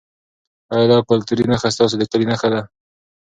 ایا دا کلتوري نښه ستاسو د کلي نښه ده؟